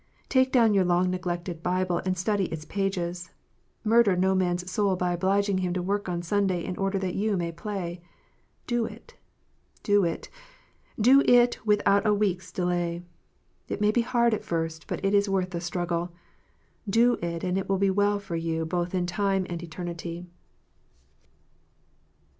Take down your long neglected Bible, and study its pages. Murder no man s soul by obliging him to work on Sunday in order that you may play. Do it, do it, do it, without a iveek s delay ! It may be hard at first, but it is worth a struggle. Do it, and it will be well for you both in time and eternity.